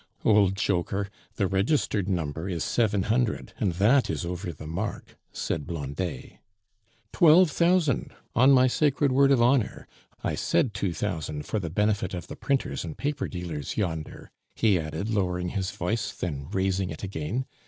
"Old joker! The registered number is seven hundred, and that is over the mark," said Blondet. "Twelve thousand, on my sacred word of honor I said two thousand for the benefit of the printers and paper dealers yonder," he added, lowering his voice, then raising it again.